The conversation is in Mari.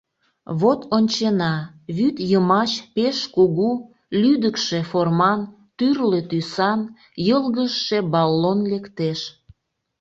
Вот ончена — вӱд йымач пеш кугу, лӱдыкшӧ форман, тӱрлӧ тӱсан йылгыжше баллон лектеш.